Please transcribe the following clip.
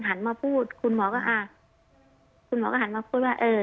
หันมาพูดคุณหมอก็อ่าคุณหมอก็หันมาพูดว่าเออ